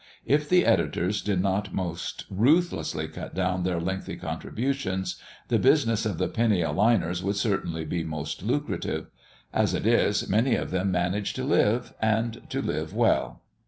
If the editors did not most ruthlessly cut down their lengthy contributions, the business of the penny a liners would certainly be most lucrative. As it is, many of them manage to live, and to live well.